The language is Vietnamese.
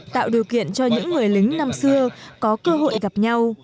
tạo điều kiện cho những người lính năm xưa có cơ hội gặp nhau